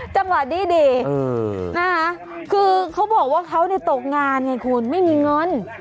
จังหวะดีนะคะคือเขาบอกว่าเขาตกงานไงคุณไม่มีเงิน